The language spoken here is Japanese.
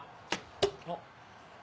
あっ。